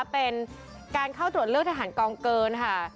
เป็นการเข้าตรวจเลือกทหารกองเกินค่ะ